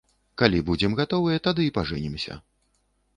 Калі будзем гатовыя, тады і пажэнімся.